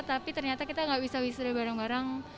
tapi ternyata kita nggak bisa wisuda bareng bareng